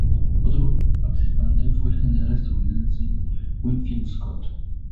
Otro participante fue el general estadounidense Winfield Scott.